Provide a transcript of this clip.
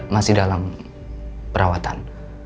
masih dalam perawatan